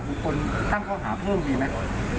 คนตั้งข้อหาเพิ่มดีไหม